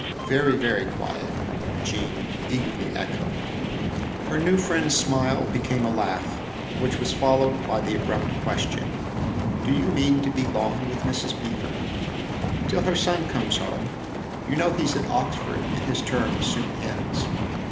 " Very, very quiet," Jean eagerly echoed. Her new friend's smile became a laugh, which was followed by the abrupt question :" Do you mean to be long with Mrs. Beever ?" "Till her son comes home. You know he's at Oxford, and his term soon ends."